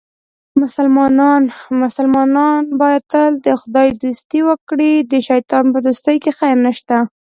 مسلمان باید تل د خدای دوستي وکړي، د شیطان په دوستۍ کې خیر نشته.